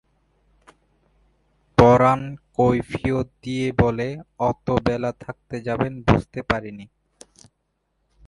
পরান কৈফিয়ত দিয়া বলে, অত বেলা থাকতে যাবেন বুঝতে পারিনি।